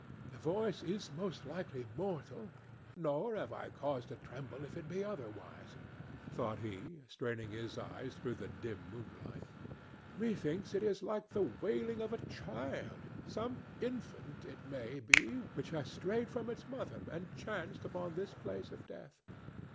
"The voice is most likely mortal, nor have I cause to tremble if it be otherwise," thought he, straining his eyes through the dim moonlight. "Methinks it is like the wailing of a child—some infant, it may be, which has strayed from its mother and chanced upon this place of death.